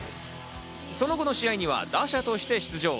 その後の試合には打者として出場。